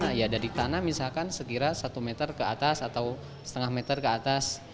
nah ya dari tanah misalkan sekira satu meter ke atas atau setengah meter ke atas